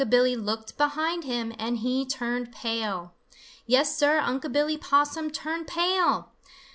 ] Unc' Billy looked behind him, and he turned pale. Yes, Sir, Unc' Billy Possum turned pale!